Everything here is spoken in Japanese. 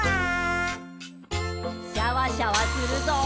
シャワシャワするぞ。